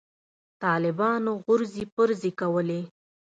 طالبانو غورځې پرځې کولې.